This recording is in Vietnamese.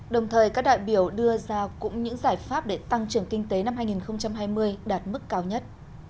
đồng thời các đại biểu đưa ra cũng những giải pháp để tăng trưởng kinh tế năm hai nghìn hai mươi đạt mức cao nhất